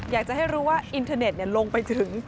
อยากจะให้รู้ว่าอินเทอร์เน็ตลงไปถึง